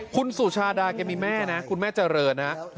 คุณสุชาดาแกมีแม่นะคุณแม่เจริญนะ